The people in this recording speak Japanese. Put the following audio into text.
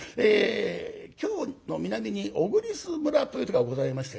京の南に小栗栖村というところがございましてね。